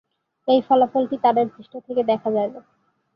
এই ফলাফলটি তারার পৃষ্ঠ থেকে দেখা যায়না।